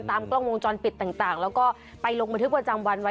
กล้องวงจรปิดต่างแล้วก็ไปลงบันทึกประจำวันไว้